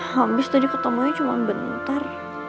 habis tadi ketemunya cuma bentar